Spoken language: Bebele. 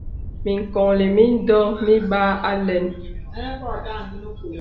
Mǐŋkɔnllī mǐndɔ mibāā alɛ̄n.